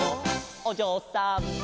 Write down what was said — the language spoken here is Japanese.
「おじょうさん」